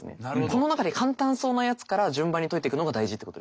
この中で簡単そうなやつから順番に解いていくのが大事ってことですね。